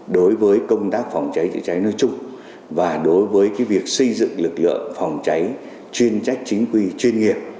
đối với công tác phòng cháy chữa cháy nói chung và đối với việc xây dựng lực lượng phòng cháy chuyên trách chính quy chuyên nghiệp